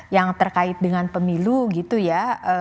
yang terkait dengan pemilu gitu ya